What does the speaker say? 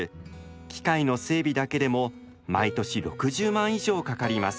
機械の整備だけでも毎年６０万以上かかります。